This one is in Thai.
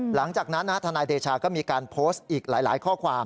หลังจากนั้นทนายเดชาก็มีการโพสต์อีกหลายข้อความ